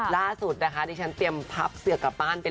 ล่าสุดนะคะดิฉันเตรียมพับเสือกกลับบ้านไปเลย